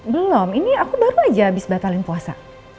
belum ini aku baru aja habis batalin puasa